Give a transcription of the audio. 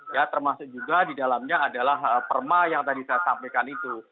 ya termasuk juga di dalamnya adalah perma yang tadi saya sampaikan itu